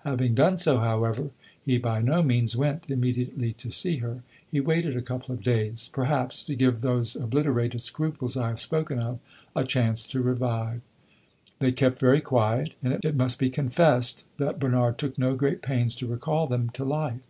Having done so, however, he by no means went immediately to see her; he waited a couple of days perhaps to give those obliterated scruples I have spoken of a chance to revive. They kept very quiet, and it must be confessed that Bernard took no great pains to recall them to life.